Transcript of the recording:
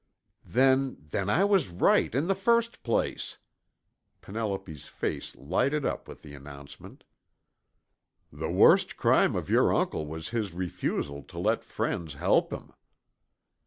"Then then I was right in the first place!" Penelope's face lighted up with the announcement. "The worst crime of your uncle was his refusal to let friends help him."